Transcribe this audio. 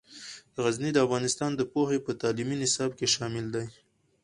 غزني د افغانستان د پوهنې په تعلیمي نصاب کې شامل دی.